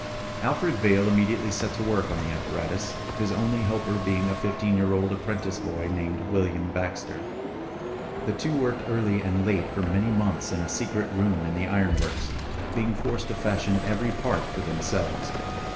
Alfred Vail immediately set to work on the apparatus, his only helper being a fifteen year old apprentice boy named William Baxter. The two worked early and late for many months in a secret room in the iron works, being forced to fashion every part for themselves.